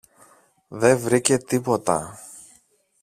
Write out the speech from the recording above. δε βρήκε τίποτα.